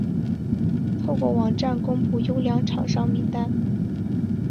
透过网站公布优良厂商名单